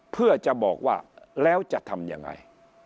เพื่อจะบอกว่าแล้วจะทำยังไง